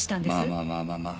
まあまあまあまあまあ